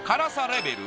レベル